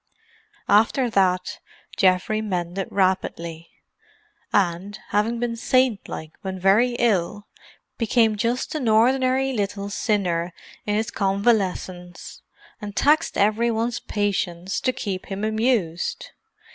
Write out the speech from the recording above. After that Geoffrey mended rapidly, and, having been saintlike when very ill, became just an ordinary little sinner in his convalescence, and taxed every one's patience to keep him amused.